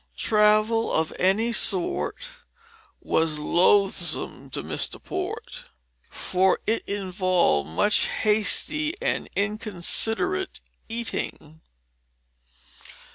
Travel of any sort was loathsome to Mr. Port, for it involved much hasty and inconsiderate eating.